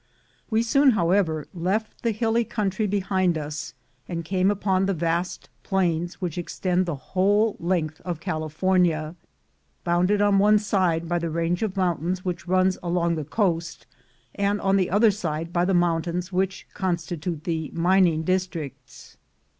We soon, however, left the hilly country behind us, and came upon the vast plains which extend the whole length of California, bounded on one side by the range of mountains which runs along the coast, and on the other side by the mountains which con stitute the mining districts.